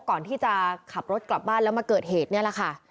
ก่อนที่จะขับรถกลับบ้านแล้วมาเกิดเหตุนี่แหละค่ะ